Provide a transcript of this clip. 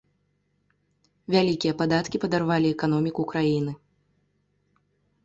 Вялікія падаткі падарвалі эканоміку краіны.